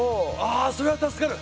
あそれは助かる！